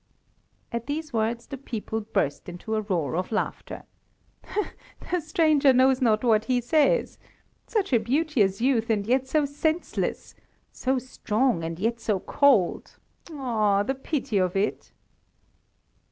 At these words the people burst into a roar of laughter. "The stranger knows not what he says! Such a beauteous youth and yet so senseless; so strong and yet so cold! Oh the pity of it!"